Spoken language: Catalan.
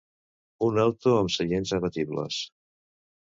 Un auto amb seients abatibles.